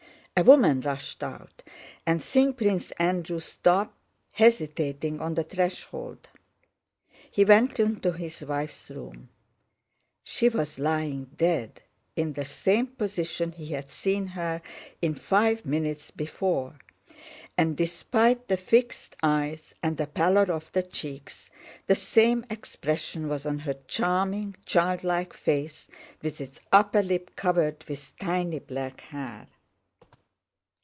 A woman rushed out and seeing Prince Andrew stopped, hesitating on the threshold. He went into his wife's room. She was lying dead, in the same position he had seen her in five minutes before and, despite the fixed eyes and the pallor of the cheeks, the same expression was on her charming childlike face with its upper lip covered with tiny black hair.